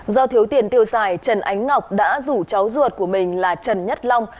do thiếu tiền tiêu xài trần ánh ngọc đã rủ cháu ruột của mình là trần nhất long